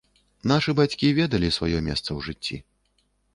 Нашы бацькі ведалі сваё месца ў жыцці.